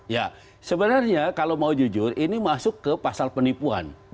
ya sebenarnya kalau mau jujur ini masuk ke pasal penipuan